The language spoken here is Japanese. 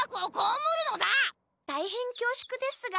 たいへんきょうしゅくですが。